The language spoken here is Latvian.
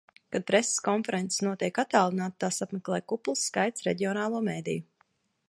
Kad preses konferences notiek attālināti, tās apmeklē kupls skaits reģionālo mediju.